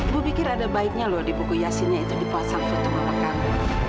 bu pikir ada baiknya luar di buku yasinnya itu diposong untuk memakamu